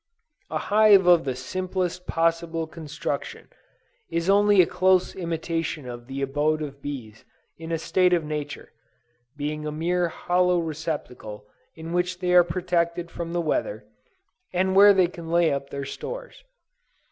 A hive of the simplest possible construction, is only a close imitation of the abode of bees in a state of nature; being a mere hollow receptacle in which they are protected from the weather, and where they can lay up their stores.